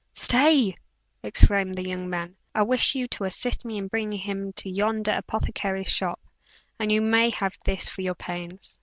"Stay!" exclaimed the young man, "I wish you to assist me in bringing him to yonder apothecary's shop, and you may have this for your pains."